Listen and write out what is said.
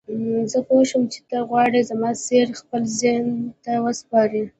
زه پوه شوم چې ته غواړې زما څېره خپل ذهن ته وسپارې.